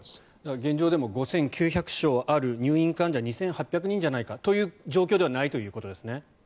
現状でも５９００床ある入院患者は２８００人じゃないかという状況ではないということですね。